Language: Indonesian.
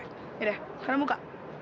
yaudah sekarang buka